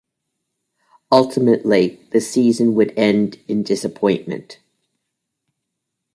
Ultimately, the season would end in disappointment.